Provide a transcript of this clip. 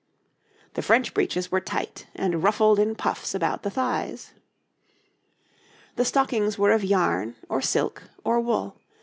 The French breeches were tight and ruffled in puffs about the thighs. The stockings were of yarn, or silk, or wool.